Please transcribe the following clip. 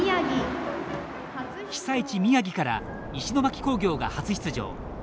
被災地・宮城から石巻工業が初出場。